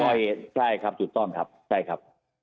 ก่อเหตุใช่ครับจุดต้อนครับ